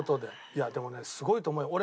いやでもねすごいと思うよ。